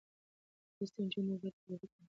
لوستې نجونې د ګډو پروژو تنظيم پياوړې کوي.